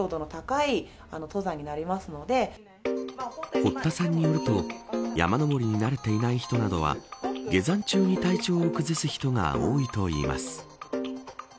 堀田さんによると山登りに慣れていない人などは下山中に体調を崩す人が多いといいます。